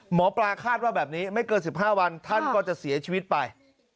หมอปลาคาดว่าแบบนี้ไม่เกิน๑๕วันท่านก็จะเสียชีวิตไป